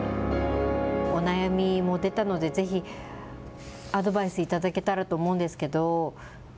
お悩み出たので、ぜひアドバイスいただけたらと思うんですけど。